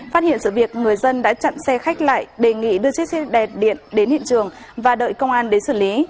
phát hiện sự việc người dân đã chặn xe khách lại đề nghị đưa chiếc xe đẹp điện đến hiện trường và đợi công an đến xử lý